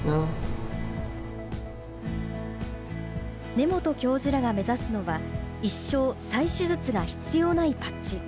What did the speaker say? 根本教授らが目指すのは、一生再手術が必要ないパッチ。